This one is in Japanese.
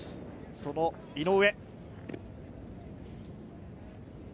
その井上。